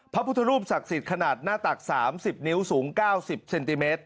พระพุทธรูปศักดิ์สิทธิ์ขนาดหน้าตักสามสิบนิ้วสูงเก้าสิบเซนติเมตร